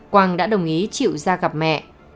quang đã đồng ý chịu ra gặp mẹ